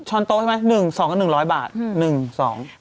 ช้อนโต๊ะใช่ไหม๑๒บาทก็๑๐๐บาท